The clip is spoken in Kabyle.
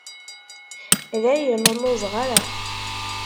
Dayen, ur lluẓeɣ ara.